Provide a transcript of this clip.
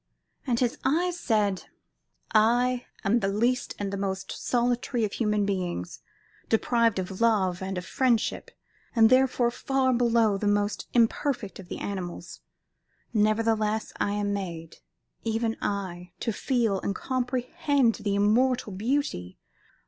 And his eyes said: "I am the least and the most solitary of human beings, deprived of love and of friendship, and therefore far below the most imperfect of the animals. Nevertheless, I am made, even I, to feel and comprehend the immortal Beauty!